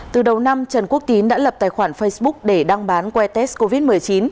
từ đầu năm trần quốc tín đã lập tài khoản facebook để đăng bán quay test covid một mươi chín